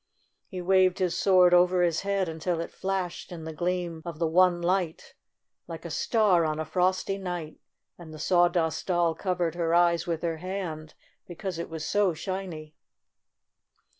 He waved his sword over his head until it flashed in the gleam of the one light like a star on a frosty night, and the Sawdust , Doll covered her eyes with her hand, because it was so shiny.